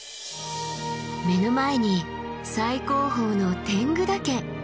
目の前に最高峰の天狗岳。